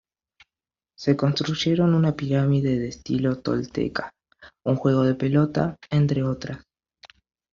Se construyeron una pirámide de estilo Tolteca, un juego de pelota, entre otras.